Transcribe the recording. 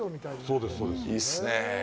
いいですね。